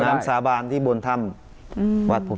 ลืมน้ำสาบานที่บนถ้ำวัดภูเป